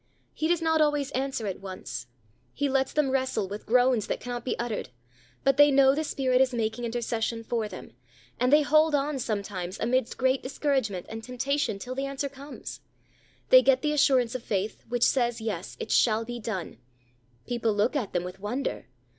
He does not always answer at once. He lets them wrestle with groans that cannot be uttered; but they know the Spirit is making intercession for them, and they hold on sometimes amidst great discouragement and temptation till the answer comes. They get the assurance of faith, which says, "Yes, it shall be done." People look at them with wonder.